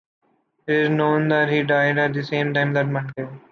It is known that he died at the same time that Monday.